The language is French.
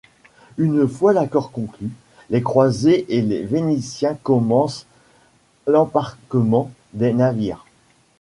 Une fois l'accord conclu, les croisés et les Vénitiens commencent l'embarquement des navires.